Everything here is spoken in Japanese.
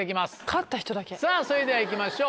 さぁそれではいきましょう。